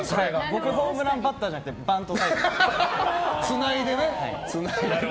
僕ホームランバッターじゃなくてバントタイプなんで。